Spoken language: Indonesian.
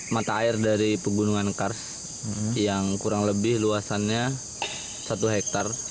mata air dari pegunungan kars yang kurang lebih luasannya satu hektare